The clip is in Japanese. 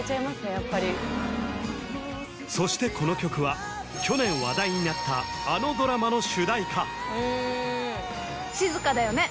やっぱりそしてこの曲は去年話題になったあのドラマの主題歌静かだよね